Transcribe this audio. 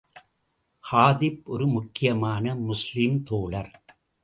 ஹாதிப் ஒரு முக்கியமான முஸ்லிம் தோழர்.